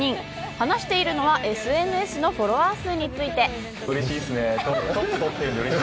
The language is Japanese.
話しているのはＳＮＳのフォロワー数について。